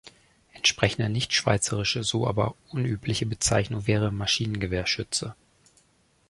Entsprechende nicht-schweizerische, so aber unübliche Bezeichnung wäre "Maschinengewehr-Schütze.